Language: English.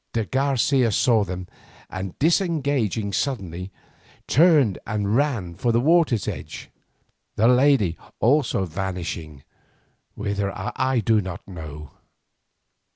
De Garcia saw them, and disengaging suddenly, turned and ran for the water gate, the lady also vanishing, whither I do not know.